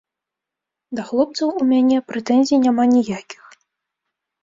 Да хлопцаў у мяне прэтэнзій няма ніякіх.